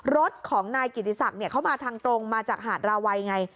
รถของนายกิติศักดิ์เข้ามาทางตรงมาจากหาดราวัยไง